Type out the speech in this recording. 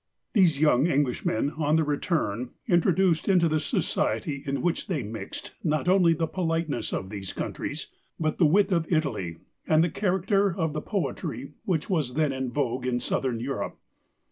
These young Englishmen on their return introduced into the society in which they mixed not only the politenesses of these countries, but the wit of Italy, and the character of the poetry which was then in vogue in Southern Europe.